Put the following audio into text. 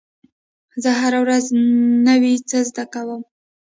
زه هره ورځ نوی څه زده کوم.